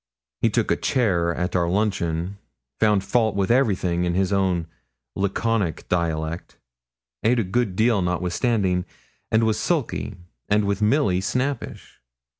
He took a chair at our luncheon, found fault with everything in his own laconic dialect, ate a good deal notwithstanding, and was sulky, and with Milly snappish.